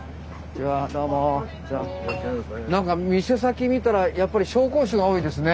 店先見たらやっぱり紹興酒が多いですね。